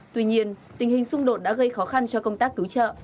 tuy nhiên tình hình xung đột đã gây khó khăn cho công tác cứu trợ